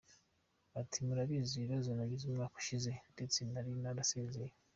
Ati “Murabizi ibibazo nagize umwaka ushize ndetse nari nanasezeye.